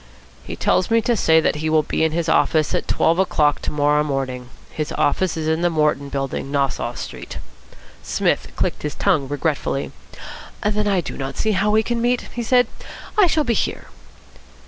"He tells me to say that he will be in his office at twelve o'clock to morrow morning. His office is in the Morton Building, Nassau Street." Psmith clicked his tongue regretfully. "Then I do not see how we can meet," he said. "I shall be here."